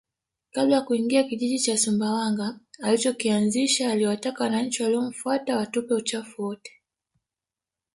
Kabla ya kuingia kijiji cha Sumbawanga alichokianzisha aliwataka wananchi waliomfuata watupe uchafu wote